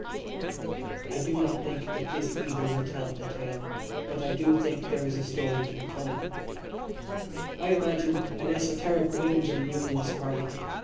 I do not think that this either will tell the tale, but I do think there is a story to be told I imagine an esoteric wing to the Unionist Party.